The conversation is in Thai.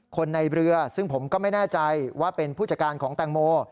คนในเรือซึ่งผมก็ไม่แน่ใจว่าเป็นผู้จัดการของแตงโม